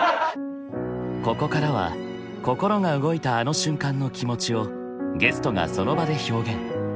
ここからは心が動いたあの瞬間の気持ちをゲストがその場で表現。